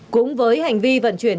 cũng với hành vi vận chuyển